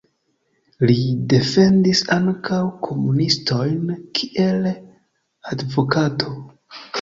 Li defendis ankaŭ komunistojn kiel advokato.